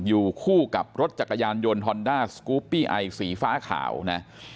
อยู่คู่กับรถจักรยานยนต์ฮอนด้าสกูปปี้ไอสีฟ้าขาวนะ